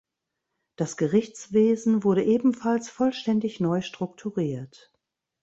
Das Gerichtswesen wurde ebenfalls vollständig neu strukturiert.